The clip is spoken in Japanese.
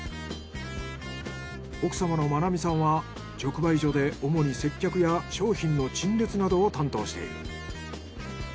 奥様のまなみさんは直売所で主に接客や商品の陳列などを担当している。